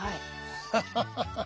ハハハハハ。